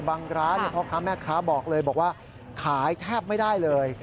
ร้านพ่อค้าแม่ค้าบอกเลยบอกว่าขายแทบไม่ได้เลย